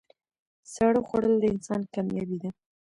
ساړه خوړل د انسان کامیابي ده.